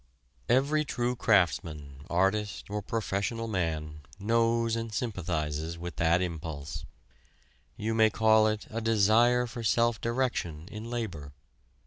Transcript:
Every true craftsman, artist or professional man knows and sympathizes with that impulse: you may call it a desire for self direction in labor.